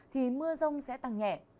thì mưa rông sẽ tăng nhẹ